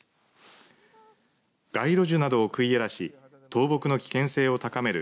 街路樹などを食い荒らし倒木の危険性を高める